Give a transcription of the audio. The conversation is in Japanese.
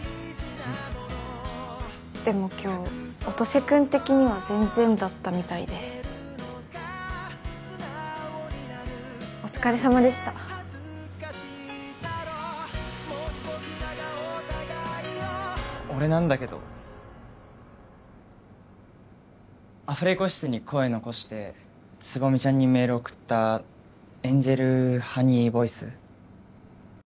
うんでも今日音瀬君的には全然だったみたいでお疲れさまでした俺なんだけどアフレコ室に声残して蕾未ちゃんにメールを送ったエンジェルハニーボイス？